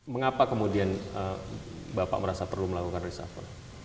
mengapa kemudian bapak merasa perlu melakukan reshuffle